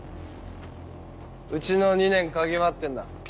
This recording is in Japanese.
うちの２年嗅ぎ回ってんのは。